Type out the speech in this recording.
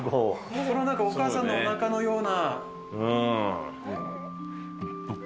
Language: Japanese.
お母さんのおなかの中のような。